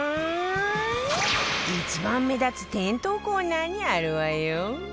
一番目立つ店頭コーナーにあるわよ